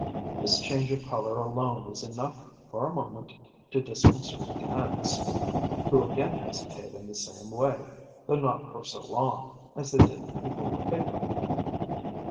This change of colour alone is enough for a moment to disconcert the Ants, who again hesitate in the same way, though not for so long, as they did before the paper.